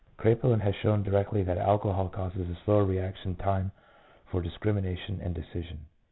Kraepelin has shown directly that alcohol causes a slower reaction time for discrimination and decision.